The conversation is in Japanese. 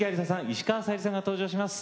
石川さゆりさんが登場します。